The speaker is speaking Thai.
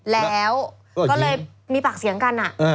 แล้วก็เลยมีปากเสียงกัน